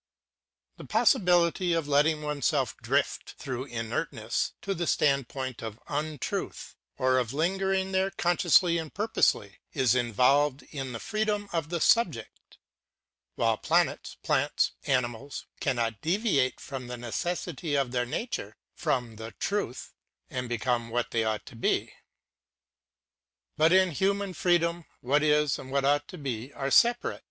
This possibility of letting oneself drift, through inertness, to the standpoint of un truth, or of lingering there consciously and purposely, is involved in the freedom of the subject, while planets, plants, animals, cannot deviate from the necessity of their nature from their truth and become what they ought to be. But in human freedom what is and what ought to be are separate.